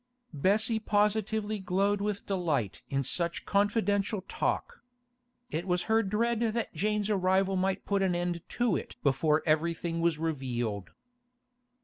Bessie positively glowed with delight in such confidential talk. It was her dread that Jane's arrival might put an end to it before everything was revealed.